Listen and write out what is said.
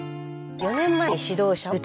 ４年前に指導者を勇退。